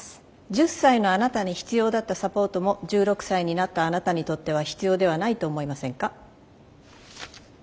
１０歳のあなたに必要だったサポートも１６歳になったあなたにとっては必要ではないと思いませんか？